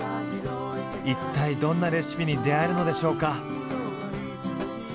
一体どんなレシピに出会えるのでしょうか？